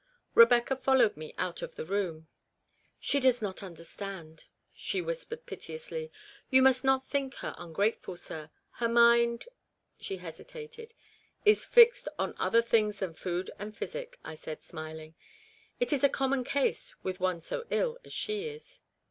Rebecca followed me out of the room. " She does not understand,' 7 she whispered piteously. " You must not think her ungrate ful, sir. Her mind " she hesitated. " Is fixed on other things than food and physic," I said, smiling. " It is a common case with one so ill as she is."